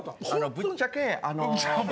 ぶっちゃけあの。